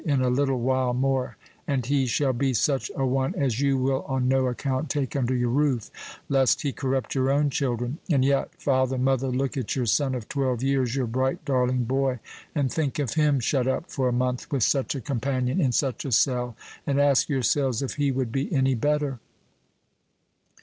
In a little while more and he shall be such a one as you will on no account take under your roof, lest he corrupt your own children; and yet, father, mother, look at your son of twelve years, your bright, darling boy, and think of him shut up for a month with such a companion, in such a cell, and ask yourselves if he would be any better.